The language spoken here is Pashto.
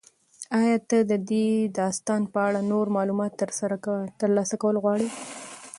ایا ته د دې داستان په اړه نور معلومات ترلاسه کول غواړې؟